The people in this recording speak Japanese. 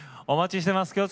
お待ちしてます。